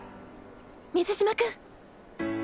水嶋君！